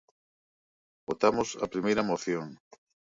Votamos a primeira moción.